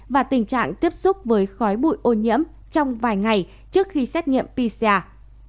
và tình trạng tiếp xúc với khói bụi ô nhiễm trong vài ngày trước khi xét nghiệm pcr